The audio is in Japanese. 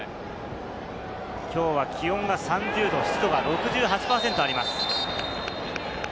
きょうは気温が３０度、湿度が６８％あります。